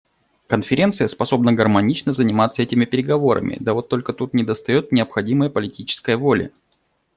Конференция способна гармонично заниматься этими переговорами, да вот только тут недостает необходимой политической воли.